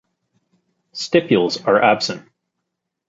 Stipules are absent.